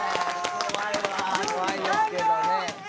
怖いですけどね。